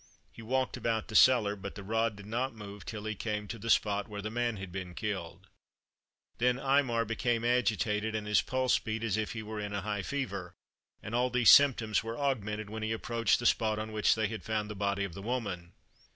He walked about the cellar, but the rod did not move till he came to the spot where the man had been killed. Then Aymar became agitated, and his pulse beat as if he were in a high fever; and all these symptoms were augmented when he approached the spot on which they had found the body of the woman.